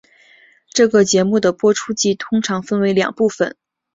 这个节目的播出季通常分为两部份。